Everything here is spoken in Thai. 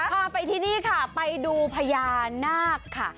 พาไปที่นี่ค่ะไปดูพญานาคค่ะ